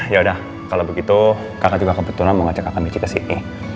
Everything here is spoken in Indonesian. yaudah kalau begitu kakak juga kebetulan mau ngajak kakak michi ke sini